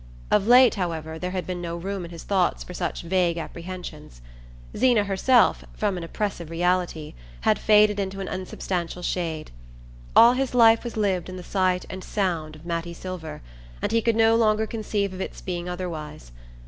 Of late, however, there had been no room in his thoughts for such vague apprehensions. Zeena herself, from an oppressive reality, had faded into an insubstantial shade. All his life was lived in the sight and sound of Mattie Silver, and he could no longer conceive of its being otherwise.